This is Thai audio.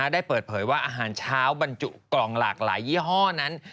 ได้เปิดเผยว่าอาหารเช้าบรรจุกล่องหลากหลายยี่ห้อนั้น